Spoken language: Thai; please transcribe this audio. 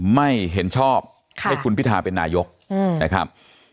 ไม่เห็นชอบให้คุณพิทาเป็นนายกนะครับ